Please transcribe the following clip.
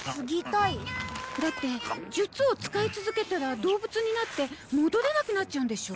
だって術を使い続けたら動物になって戻れなくなっちゃうんでしょ？